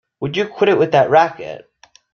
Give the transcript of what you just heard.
Would you quit it with that racket!